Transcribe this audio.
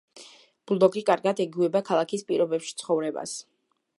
ბულდოგი კარგად ეგუება ქალაქის პირობებში ცხოვრებას.